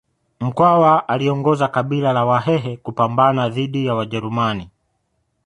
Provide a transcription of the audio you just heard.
mkwawa aliongoza kabila la wahehe kupambana dhidi ya wajerumani